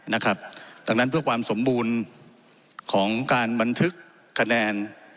ดังนั้นเพื่อความสมบูรณ์ของการบันทึกคะแนน